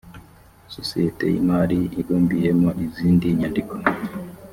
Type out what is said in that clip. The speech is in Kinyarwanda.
sosiyete y imari ibumbiyemo izindi nyandiko